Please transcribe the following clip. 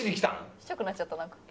ちっちゃくなっちゃったなんか。